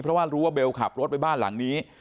เพราะว่ารู้ว่าเบลขับรถไปบ้านหลังนี้